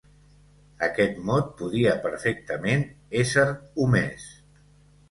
Aquest mot podia perfectament ésser omès.